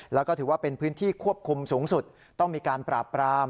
แล้วก็ถือว่าเป็นพื้นที่ควบคุมสูงสุดต้องมีการปราบปราม